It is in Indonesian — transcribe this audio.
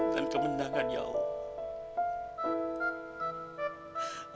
dan kemenangan ya allah